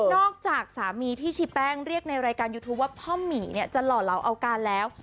จากสามีที่ชีแป้งเรียกในรายการยูทูปว่าพ่อหมีเนี่ยจะหล่อเหลาเอาการแล้ว